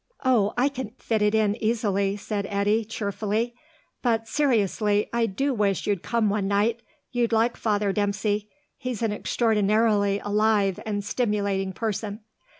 "Oh, I can fit it in easily," said Eddy, cheerfully. "But, seriously, I do wish you'd come one night. You'd like Father Dempsey. He's an extraordinarily alive and stimulating person.